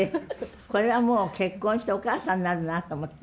これはもう結婚してお母さんになるなと思って。